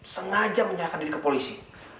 sengaja menyerahkan diri ke polisi